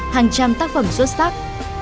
hàng trăm tác phẩm xuất sắc